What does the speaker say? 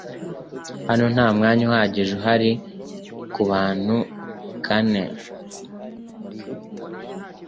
Hano nta mwanya uhagije uhari kubantu kane